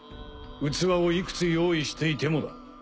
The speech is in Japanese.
器をいくつ用意していてもだ。